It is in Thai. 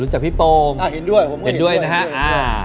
จากพี่โปมอ่าเห็นด้วยผมเห็นด้วยนะฮะอ่า